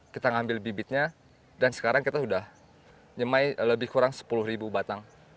kita ngambil bibitnya dan sekarang kita sudah nyemai lebih kurang sepuluh batang